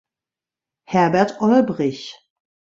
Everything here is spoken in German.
Herbert Olbrich.